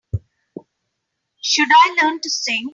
Should I learn to sing?